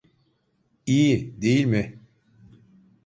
İyi, değil mi?